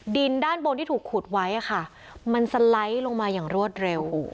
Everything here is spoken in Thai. ดินด้านบนที่ถูกขุดไว้มันสไลด์ลงมาอย่างรวดเร็ว